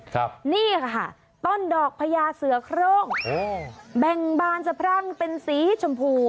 ครับนี่ค่ะต้นดอกพญาเสือโครงโอ้แบ่งบานสะพรั่งเป็นสีชมพู